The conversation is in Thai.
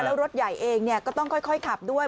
แล้วรถใหญ่เองก็ต้องค่อยขับด้วย